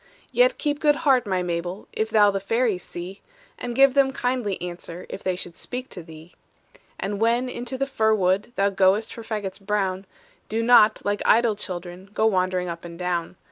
"Yet keep good heart, my Mabel, If thou the fairies see, And give them kindly answer If they should speak to thee. "And when into the fir wood Thou goest for fagots brown, Do not, like idle children, Go wandering up and down.